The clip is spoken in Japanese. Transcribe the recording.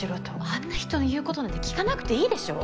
あんな人の言うことなんて聞かなくていいでしょ？